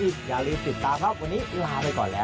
นี่คือที่มาของชื่อนะครับ